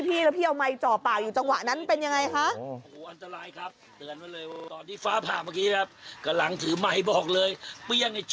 พี่แล้วพี่เอาไมค์จ่อปากอยู่จังหวะนั้นเป็นยังไงคะ